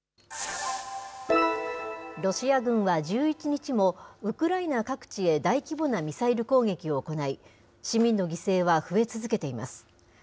ロシア軍は１１日もウクライナ各地へ大規模なミサイル攻撃を行い、市民の犠牲は増え続けています。